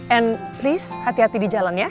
and rice hati hati di jalan ya